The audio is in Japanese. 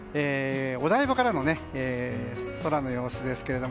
お台場からの空の様子です。